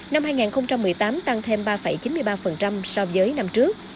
năm hai nghìn một mươi tám tăng thêm ba chín mươi ba so với năm trước